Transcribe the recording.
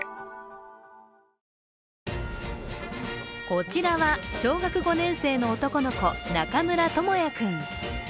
こちらは小学５年生の男の子中村智弥君。